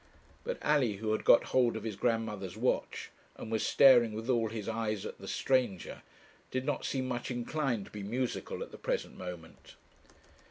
But Alley, who had got hold of his grandmother's watch, and was staring with all his eyes at the stranger, did not seem much inclined to be musical at the present moment.